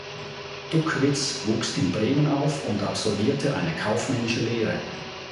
Duckwitz wuchs in Bremen auf und absolvierte eine kaufmännische Lehre.